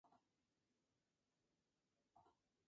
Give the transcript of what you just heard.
Estudió en la Academia de Bellas Artes de Valenciennes.